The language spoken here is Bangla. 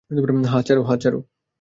হ্যাঁ, চারু।